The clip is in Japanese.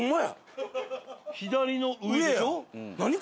左の上でしょ？